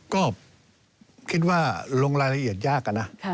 ก็คิดว่าลงรายละเอียดยากอะนะ